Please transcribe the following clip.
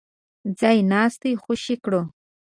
ځای ناستي خوشي کړو.